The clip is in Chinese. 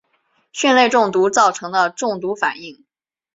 蕈类中毒造成的中毒反应。